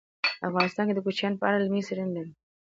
افغانستان د کوچیان په اړه علمي څېړنې لري.